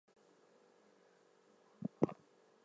In a sense, the Torquetum is an analog computer.